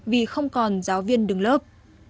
vì không còn giáo viên đứng lớp